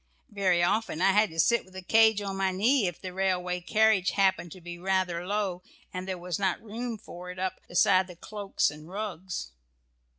Very often I had to sit with the cage on my knee if the railway carriage happened to be rather low, and there was not room for it up beside the cloaks and rugs.